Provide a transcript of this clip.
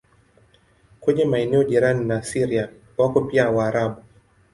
Kwenye maeneo jirani na Syria wako pia Waarabu.